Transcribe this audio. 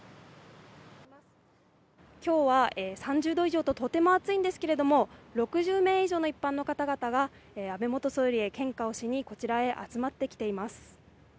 きょうは３０度以上と、とても暑いんですけれども、６０名以上の一般の方々が、安倍元総理へ献花をしにこちらへ集まってきています。